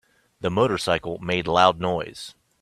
The motorcycle made loud noise.